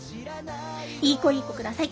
いい子いい子下さい。